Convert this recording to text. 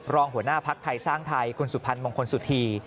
หัวหน้าภักดิ์ไทยสร้างไทยคุณสุพรรณมงคลสุธี